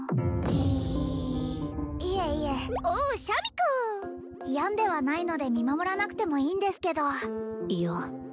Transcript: ジーッいえいえおおっシャミ子病んではないので見守らなくてもいいんですけどいや